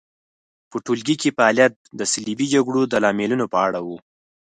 په ټولګي کې فعالیت د صلیبي جګړو د لاملونو په اړه و.